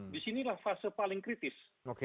di sinilah fase paling kritis